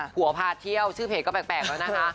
ผัวพาเที่ยวชื่อเพจก็แปลกแล้วนะคะ